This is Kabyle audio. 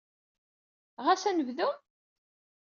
Ɣas ad nebdu?